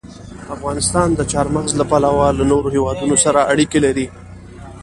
افغانستان د چار مغز له پلوه له نورو هېوادونو سره اړیکې لري.